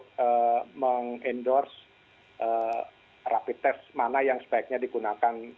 untuk meng endorse rapi tes mana yang sebaiknya digunakan